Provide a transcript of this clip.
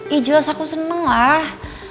ya jelas aku seneng lah